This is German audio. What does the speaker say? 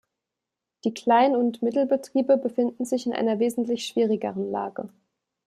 Die Kleinund Mittelbetriebe befinden sich in einer wesentlich schwierigeren Lage.